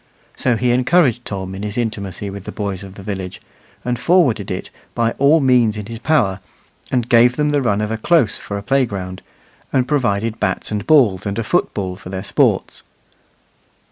So he encouraged Tom in his intimacy with the boys of the village, and forwarded it by all means in his power, and gave them the run of a close for a playground, and provided bats and balls and a football for their sports.